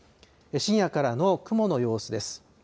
深夜からの雲の様子です。